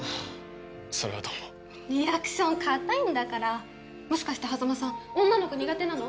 それはどうもリアクションかたいんだからもしかして波佐間さん女の子苦手なの？